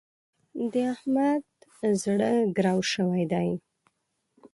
د احمد زړه ګرو شوی دی.